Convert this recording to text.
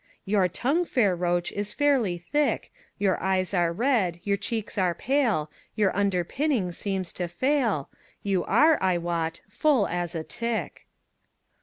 Your tongue, fair roach, is very thick, Your eyes are red, your cheeks are pale, Your underpinning seems to fail, You are, I wot, full as a tick.